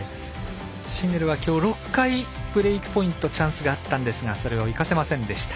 シンネルは今日６回、ブレークポイントチャンスがあったんですがそれを生かせませんでした。